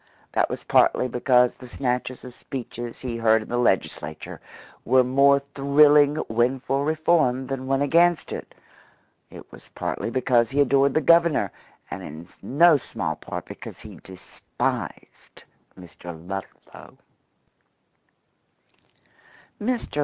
That was partly because the snatches of speeches he heard in the Legislature were more thrilling when for reform than when against it; it was partly because he adored the Governor, and in no small part because he despised Mr. Ludlow.